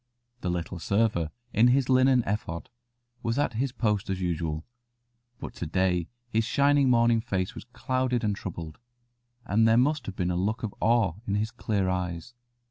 The little server in his linen ephod was at his post as usual, but to day his shining morning face was clouded and troubled, and there must have been a look of awe in his clear eyes.